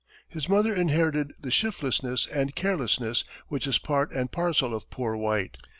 His mother inherited the shiftlessness and carelessness which is part and parcel of "poor white."